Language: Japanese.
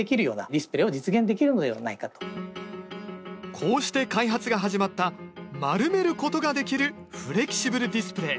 こうして開発が始まった丸めることができるフレキシブルディスプレー。